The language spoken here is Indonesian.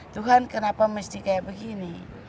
tuhan kenapa mesti kayak begini